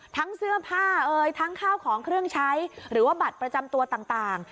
ทั้งเสื้อผ้าทั้งข้าวของเครื่องใช้หรือว่าบัตรประจำตัวต่าง